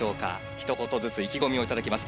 ひと言ずつ意気込みを頂きます。